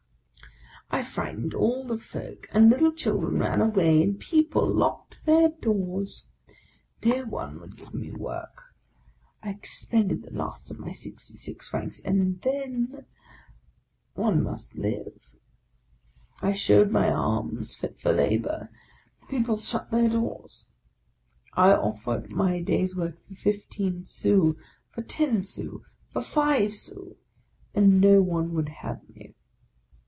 I frightened all the folk, and little children ran away, and people locked their doors. No one would give me work ; I expended the last of my sixty six francs, — and then — one must live. I showed my arms, fit for labour; the people shut their doors. I offered my day's work for fifteen sous, for ten sous, for five sous ! and no one would have me.